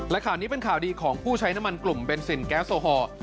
และข่าวนี้เป็นข่าวดีของผู้ใช้น้ำมันกลุ่มเบนซินแก๊สโซฮอล์